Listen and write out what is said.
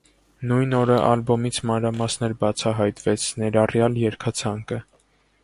Նույն օրը ալբոմից մանրամասներ բացահայտվեց՝ ներառյալ երգացանկը։